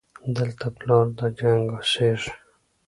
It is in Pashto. دلته پلار د جنګ اوسېږي